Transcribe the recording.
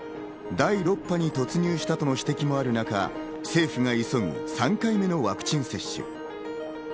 第６波に突入したとの指摘もある中、政府が急ぐ３回目のワクチン接種。